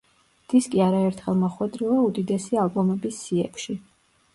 დისკი არაერთხელ მოხვედრილა უდიდესი ალბომების სიებში.